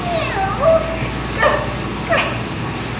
"Mew! scratch! scratch!"